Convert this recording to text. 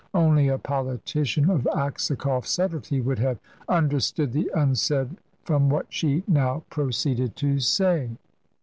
Only a politician of Aksakoff's subtlety would have understood the unsaid from what she now proceeded to say.